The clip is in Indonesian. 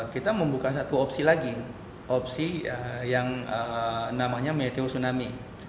kita membuka satu opsi lagi opsi yang namanya meteo tsunami